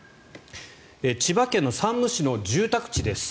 千葉県山武市の住宅地です。